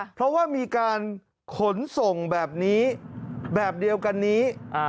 เพราะว่ามีการขนส่งแบบนี้แบบเดียวกันนี้